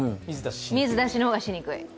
水出しの方がしにくい。